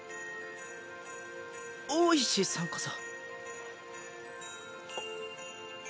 大石さんこそ。